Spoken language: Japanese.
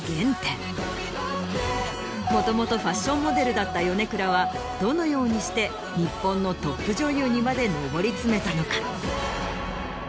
もともとファッションモデルだった米倉はどのようにして日本のトップ女優にまで上り詰めたのか。